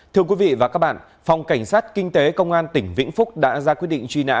thưa quý vị và các bạn phòng cảnh sát kinh tế công an tỉnh vĩnh phúc đã ra quyết định truy nã